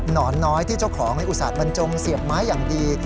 นอนน้อยที่เจ้าของในอุตส่าหบรรจงเสียบไม้อย่างดี